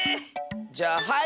じゃあはい！